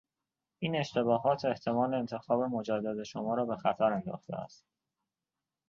این اشتباهات احتمالانتخاب مجدد شما را به خطر انداخته است.